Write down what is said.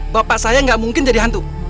bapak saya gak mungkin jadi hantu